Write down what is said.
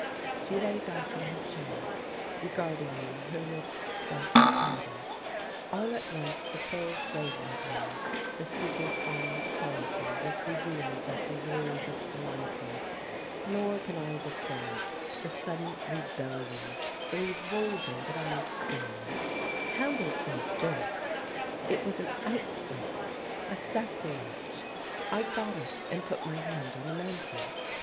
She lay back in her chair, regarding me, her lips slightly parted. All at once the full flavour of her, the superfine quality was revealed after years of blindness. Nor can I describe the sudden rebellion, the revulsion that I experienced. Hambleton Durrett! It was an outrage, a sacrilege! I got up, and put my hand on the mantel.